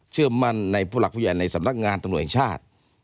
เชื่อมั่นในหลักผู้ใยในสำนักงานตำรวจชาติ